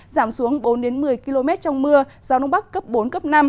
giảm xuống bốn một mươi km trong mưa gió đông bắc cấp bốn cấp năm